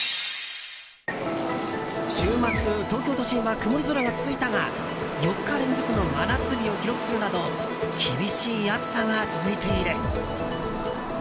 週末、東京都心は曇り空が続いたが４日連続の真夏日を記録するなど厳しい暑さが続いている。